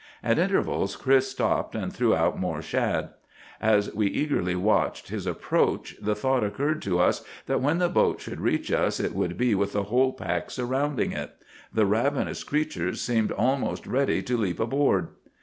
At intervals Chris stopped and threw out more shad. As we eagerly watched his approach the thought occurred to us that when the boat should reach us it would be with the whole pack surrounding it. The ravenous creatures seemed almost ready to leap aboard.